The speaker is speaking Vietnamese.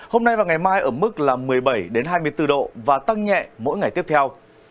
hôm nay và ngày mai ở mức một mươi bảy hai mươi bốn độ và tăng nhẹ mỗi ngày tiếp theo